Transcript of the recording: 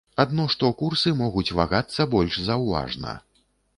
Адно што курсы могуць вагацца больш заўважна.